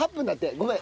ごめん。